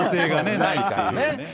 ないからね。